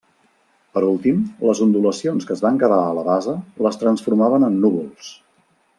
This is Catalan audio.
Per últim, les ondulacions que es van quedar a la base, les transformaven en núvols.